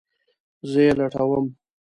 زه یی لټوم